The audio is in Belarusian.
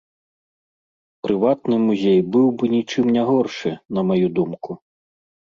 Прыватны музей быў бы нічым не горшы, на маю думку.